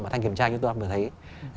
mà thanh kiểm tra như tôi đã vừa thấy